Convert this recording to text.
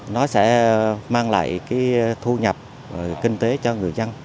nó sẽ mang lại cái thu nhập kinh tế cho người dân